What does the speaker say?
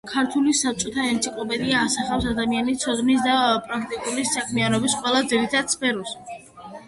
ქართული საბჭოთა ენციკლოპედია ასახავს ადამიანის ცოდნისა და პრაქტიკული საქმიანობის ყველა ძირითად სფეროს.